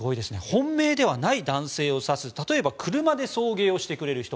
本命ではない男性を指す例えば車で送迎をしてくれる人